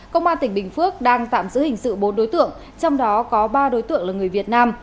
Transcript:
công an tỉnh bình phước đang tạm giữ hình sự bốn đối tượng trong đó có ba đối tượng là người việt nam